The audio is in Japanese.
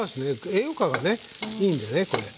栄養価がいいんでねこれ。